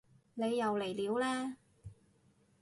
你又嚟料嘞